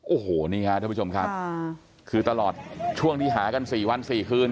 โอ้โหนี่ฮะท่านผู้ชมครับคือตลอดช่วงที่หากัน๔วัน๔คืน